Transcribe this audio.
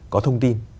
có thông tin